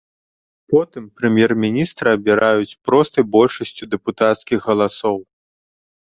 Потым прэм'ер-міністра абіраюць простай большасцю дэпутацкіх галасоў.